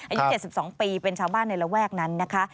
อายุ๗๒ปีเป็นชาวบ้านในระแวกนั้นนะคะ